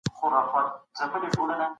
په سختو شرایطو کي صبر وکړئ.